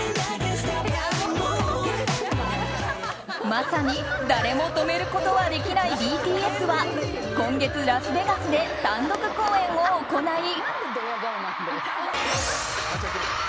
まさに、誰も止めることはできないＢＴＳは今月ラスベガスで単独公演を行い。